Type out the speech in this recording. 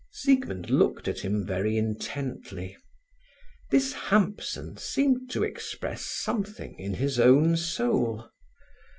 Siegmund looked at him very intently. This Hampson seemed to express something in his own soul.